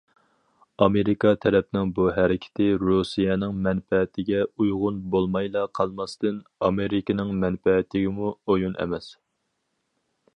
ئامېرىكا تەرەپنىڭ بۇ ھەرىكىتى رۇسىيەنىڭ مەنپەئەتىگە ئۇيغۇن بولمايلا قالماستىن، ئامېرىكىنىڭ مەنپەئەتىگىمۇ ئويۇن ئەمەس.